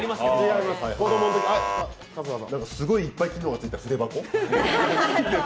すごいいっぱい機能がついた筆箱？